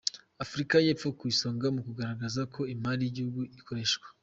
Afurika y’Epfo ku isonga mu kugaragaza uko imari y’igihugu ikoreshwa